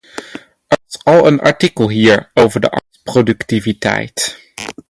Er was een artikel hier over de arbeidsproductiviteit.